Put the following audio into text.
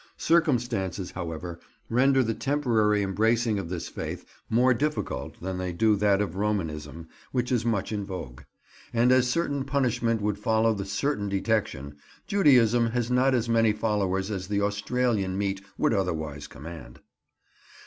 Circumstances, however, render the temporary embracing of this faith more difficult than they do that of Romanism, which is much in vogue; and as certain punishment would follow the certain detection, Judaism has not as many followers as the Australian meat would otherwise command.